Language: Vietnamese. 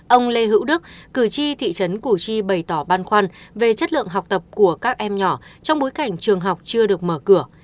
ông lê hữu đức cử tri thị trấn củ chi bày tỏ băn khoăn về chất lượng học tập của các em nhỏ trong bối cảnh trường học chưa được mở cửa